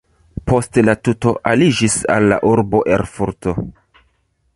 Poste la tuto aliĝis al la urbo Erfurto.